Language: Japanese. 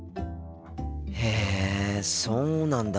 へえそうなんだ。